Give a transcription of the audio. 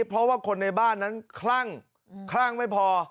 เพราะว่าคนในบ้านนั้นคลั่งคลั่งไม่พอ